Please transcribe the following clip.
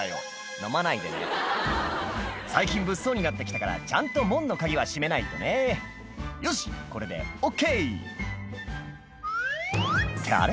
飲まないでね最近物騒になって来たからちゃんと門の鍵はしめないとねよしこれでＯＫってあれ？